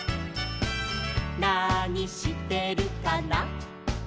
「なにしてるかな」